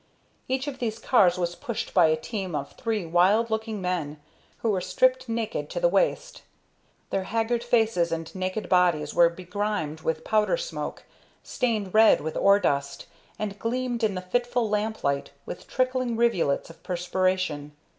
Each of these cars was pushed by a team of three wild looking men, who were stripped naked to the waist. Their haggard faces and naked bodies were begrimed with powder smoke, stained red with ore dust, and gleamed in the fitful lamp light with trickling rivulets of perspiration.